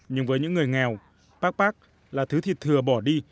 nhưng với những người nghèo pakpak là thứ thịt thừa bỏ đi